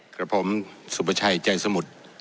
กระภงสุปชัยใจสมุทร